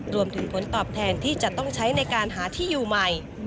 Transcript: รวมถึงผลตอบแทนที่จะต้องใช้ในการหาที่อยู่ใหม่